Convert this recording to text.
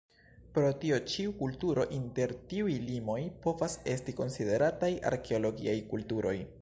Pro tio ĉiu kulturo inter tiuj limoj povas esti konsiderataj Arkeologiaj kulturoj.